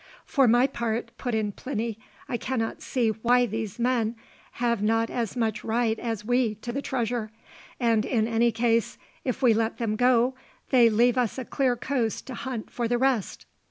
"For my part," put in Plinny, "I cannot see why these men have not as much right as we to the treasure; and, in any case, if we let them go they leave us a clear coast to hunt for the rest."